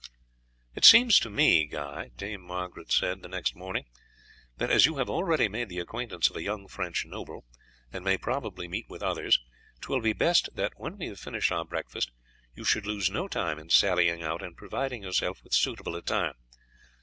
"It seems to me, Guy," Dame Margaret said the next morning, "that as you have already made the acquaintance of a young French noble, and may probably meet with others, 'twill be best that, when we have finished our breakfast, you should lose no time in sallying out and providing yourself with suitable attire.